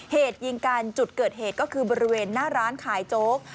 เหตุยิงกันจุดเกิดเหตุก็คือบริเวณหน้าร้านขายโจ๊ก